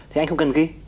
thì anh không cần ghi